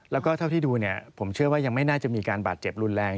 แล้วก็เท่าที่ดูผมเชื่อว่ายังไม่น่าจะมีการบาดเจ็บรุนแรง